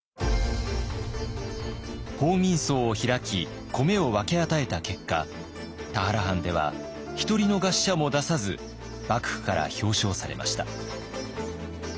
報民倉を開き米を分け与えた結果田原藩では１人の餓死者も出さず幕府から表彰されました。